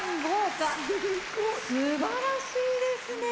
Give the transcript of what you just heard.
すばらしいですね！